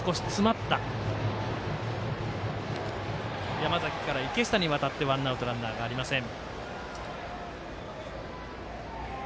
山崎から池下に渡ってワンアウト、ランナーありません。